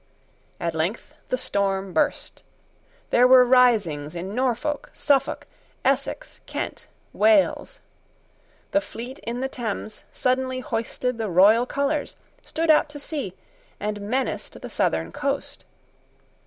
At length the storm burst. There were risings in Norfolk, Suffolk, Essex, Kent, Wales. The fleet in the Thames suddenly hoisted the royal colours, stood out to sea, and menaced the southern coast.